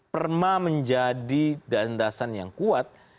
perma menjadi danndasan yang kuat